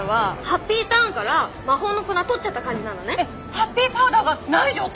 ハッピーパウダーがない状態？